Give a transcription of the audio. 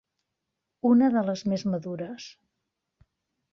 Una de les més madures.